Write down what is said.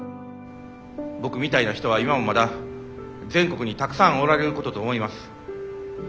僕みたいな人は今もまだ全国にたくさんおられることと思います。